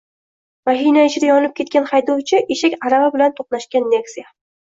Mashina ichida yonib ketgan haydovchi, eshak arava bilan to‘qnashgan Nexia